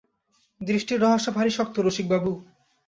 দৃষ্টির রহস্য ভারি শক্ত রসিকবাবু!